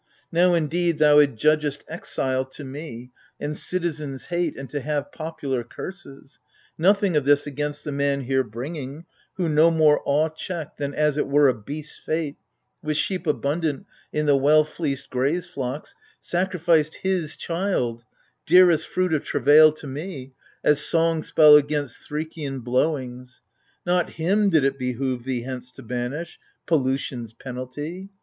Now, indeed, thou adjudgest exile to me, And citizens' hate, and to have popular curses : Nothing of this against the man here bringing, Who, no more awe checked than as 't were a beast's fate, — With sheep abundant in the well fleeced graze flocks, — Sacrificed his child, — dearest fruit of travail To me, — as song spell against Threkian blowings. Not hivi did it behove thee hence to banish — Pollution's penalty